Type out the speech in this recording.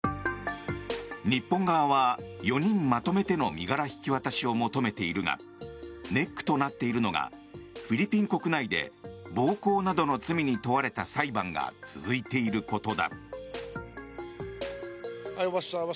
日本側は、４人まとめての身柄引き渡しを求めているがネックとなっているのがフィリピン国内で暴行などの罪に問われた裁判が続いていることだ。